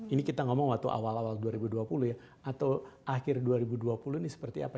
ini kita ngomong waktu awal awal dua ribu dua puluh ya atau akhir dua ribu dua puluh ini seperti apa